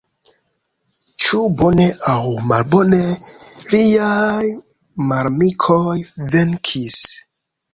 Ĉu bone aŭ malbone, liaj malamikoj venkis.